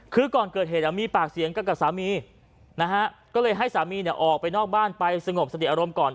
คือก่อนเกิดเหตุมีปากเสียงกันกับสามีนะฮะก็เลยให้สามีเนี่ยออกไปนอกบ้านไปสงบสติอารมณ์ก่อน